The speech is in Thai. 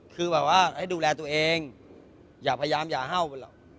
คือแบบว่าให้ดูแลตัวเองอย่าพยายามอย่าเห่ามันหรอก